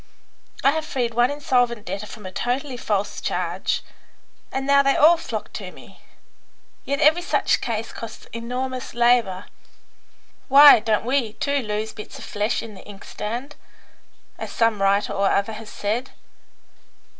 "I have freed one insolvent debtor from a totally false charge, and now they all flock to me. Yet every such case costs enormous labour. Why, don't we, too, 'lose bits of flesh in the inkstand?' as some writer or other has said.